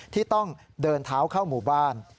ที่ต้องเดินเท้าเข้าหมู่บ้าน